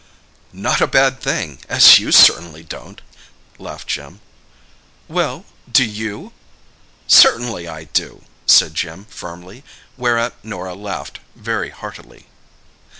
"Not a bad thing, as you certainly don't," laughed Jim. "Well—do you?" "Certainly I do," said Jim firmly, whereat Norah laughed very heartily.